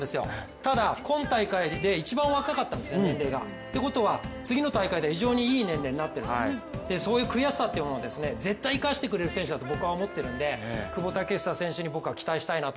ただ、今大会で一番若かったんですということは次の大会では、非常にいい年齢になっていると、そういう悔しさを絶対、生かしてくれる選手だと僕は思っているんで久保建英選手に僕は期待したいなと。